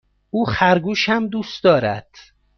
او خرگوش هم دوست دارد.